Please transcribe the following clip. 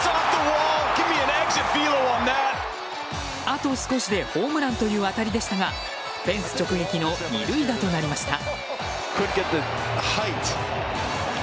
あと少しでホームランという当たりでしたがフェンス直撃の二塁打となりました。